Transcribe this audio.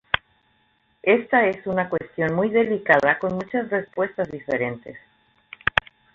Esta es una cuestión muy delicada con muchas respuestas diferentes.